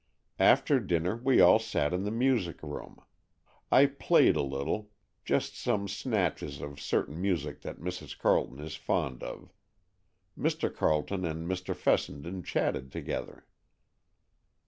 After dinner we all sat in the music room. I played a little,—just some snatches of certain music that Mrs. Carleton is fond of. Mr. Carleton and Mr. Fessenden chatted together."